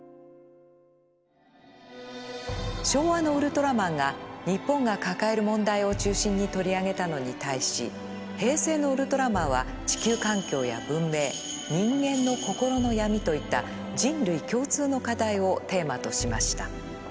昭和の「ウルトラマン」が日本が抱える問題を中心に取り上げたのに対し平成の「ウルトラマン」は地球環境や文明人間の心の闇といった人類共通の課題をテーマとしました。